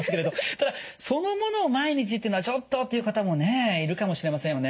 ただそのものを毎日っていうのはちょっとっていう方もねいるかもしれませんよね。